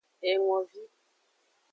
Engovi.